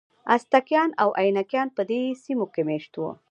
ازتکیان او اینکایان په دې سیمو کې مېشت وو.